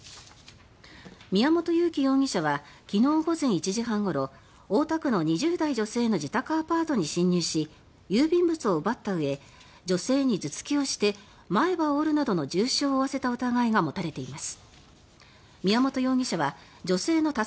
宮本祐樹容疑者は昨日午前１時半ごろ大田区の２０代女性の自宅アパートに侵入し郵便物を奪ったうえ女性に頭突きをして前歯を折るなどの重傷を負わせた疑いが持たれています。